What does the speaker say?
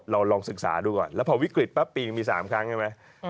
ลองศึกษาดูก่อนแล้วพอวิกฤตปั๊บปีนึงมี๓ครั้งใช่ไหม